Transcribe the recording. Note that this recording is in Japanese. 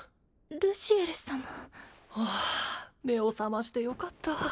ルシエル様はあ目を覚ましてよかった